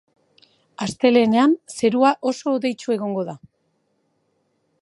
Astelehenean, zerua oso hodeitsu egongo da.